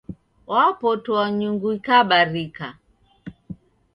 Wapotoa nyungu ikabarika